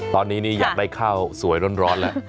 ตอนนี้นี่อยากได้ข้าวสวยร้อนแล้ว